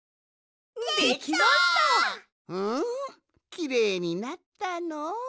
きれいになったのう。